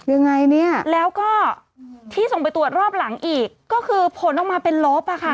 ยังไงเนี่ยแล้วก็ที่ส่งไปตรวจรอบหลังอีกก็คือผลออกมาเป็นลบอ่ะค่ะ